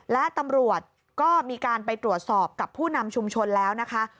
และตำรวจก็มีการไปตรวจสอบกับผู้นำชุมชนแล้วนะคะ